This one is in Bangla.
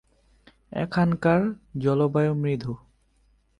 এখানকার জলবায়ু মৃদু।